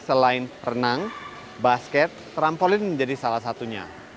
selain renang basket trampolin menjadi salah satunya